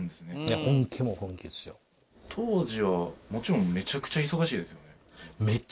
当時はもちろんめちゃくちゃ忙しいですよね？